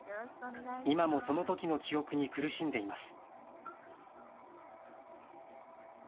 今もそのときの記憶に苦しんでいます。